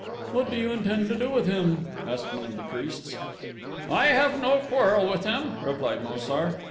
"What do you intend to do with him?" asked one of the priests. "I have no quarrel with him," replied Mo sar.